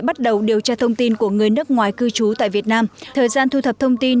bắt đầu điều tra thông tin của người nước ngoài cư trú tại việt nam thời gian thu thập thông tin